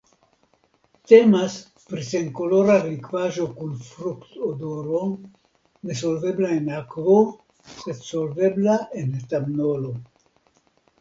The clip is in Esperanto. Temas pri senkolora likvaĵo kun fruktodoro nesolvebla en akvo sed solvebla en etanolo.